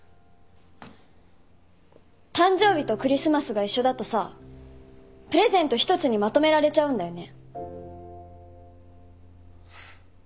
誕生日とクリスマスが一緒だとさプレゼント一つにまとめられちゃうんだよね。